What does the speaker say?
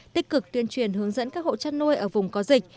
tích cực tuyên truyền hướng dẫn các hộ chăn nuôi ở vùng có dịch